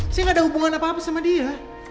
saya gak ada hubungan apa apa sama dia